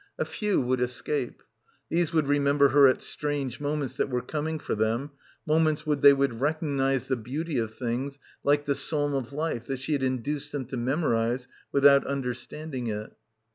A few would escape. These would remember her at strange moments that were coming for them, moments when they would recognise the beauty of things like 'the Psalm of Life' that she had in duced them to memorise without understanding it.